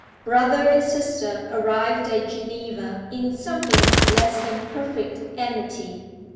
Brother and sister arrived at Geneva in something less than perfect amity.